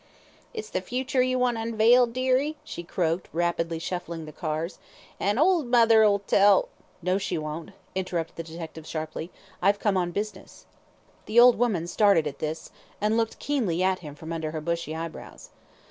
"It's the future ye want unveiled, dearie?" she croaked, rapidly shuffling the cards; "an' old mother 'ull tell " "No she won't," interrupted the detective, sharply. "I've come on business." The old woman started at this, and looked keenly at him from under her bushy eyebrows.